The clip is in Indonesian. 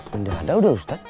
benda ada udah ustadz